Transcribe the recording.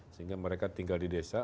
sehingga mereka tinggal di desa